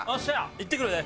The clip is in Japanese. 行ってくるで！